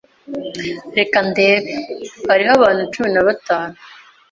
Reka ndebe. Hariho abantu cumi na batanu.